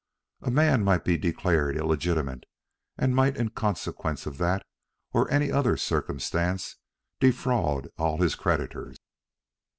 A man might be declared illegitimate, and might in consequence of that or any other circumstance defraud all his creditors.